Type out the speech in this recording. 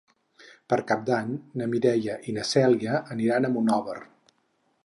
Per Cap d'Any na Mireia i na Cèlia aniran a Monòver.